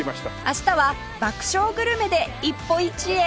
明日は爆笑グルメで一歩一会